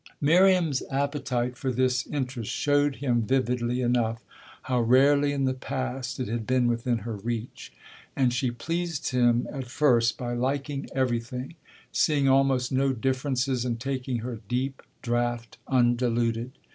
Miriam's appetite for this interest showed him vividly enough how rarely in the past it had been within her reach; and she pleased him at first by liking everything, seeing almost no differences and taking her deep draught undiluted.